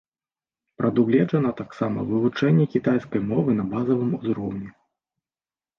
Прадугледжана таксама вывучэнне кітайскай мовы на базавым узроўні.